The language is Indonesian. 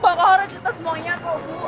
bangkohan kita semuanya kok bu